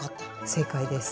正解です。